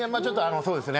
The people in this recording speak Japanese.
そうですね